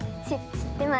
知ってます。